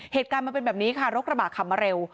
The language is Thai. เหตุการณ์มันเป็นแบบนี้ค่ะรถกระบะขับมาเร็ว